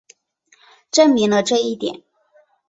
证明了这一点。